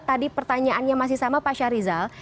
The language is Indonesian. tadi pertanyaannya masih sama pak syarizal